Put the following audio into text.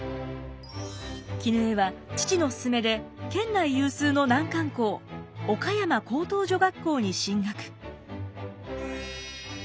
絹枝は父の勧めで県内有数の難関校岡山高等女学校に進学。